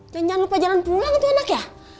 dan jangan lupa jalan pulang tuh anak ya